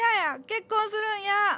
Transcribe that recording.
結婚するんや！